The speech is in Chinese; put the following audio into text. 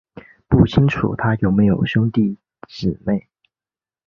不清楚他有没有兄弟姊妹。